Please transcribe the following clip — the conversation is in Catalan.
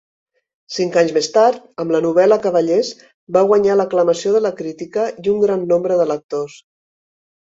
Cinc anys més tard, amb la novel·la "Cavallers", va guanyar l'aclamació de la crítica i un gran nombre de lectors.